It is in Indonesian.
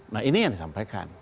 nah ini yang disampaikan